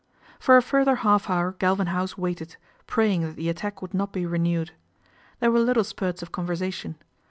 For a further half hour Galvin House waited, praying that the attack would not be renewed. There were little spurts of conversation.